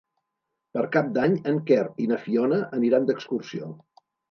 Per Cap d'Any en Quer i na Fiona aniran d'excursió.